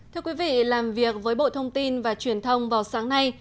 thưa quý vị làm việc với bộ thông tin và truyền thông vào sáng nay